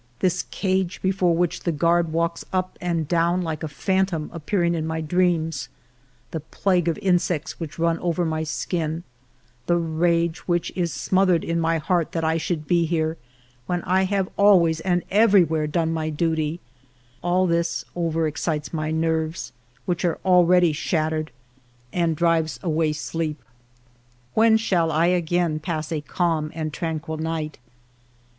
This cage before which the guard walks up and down like a phantom appearing in my dreams, the plague of insects which run over my skin, the rage which is ALFRED DREYFUS 109 smothered in my heart that I should be here, when I have always and everywhere done my duty, — all this over excites my nerves, which are already shattered, and drives away sleep. When shall I again pass a calm and tranquil night?